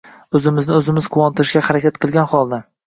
o‘zimizni o‘zimiz ishontirishga harakat qilgan holda